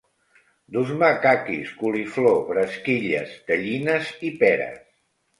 Dus-me caquis, coliflor, bresquilles, tellines i peres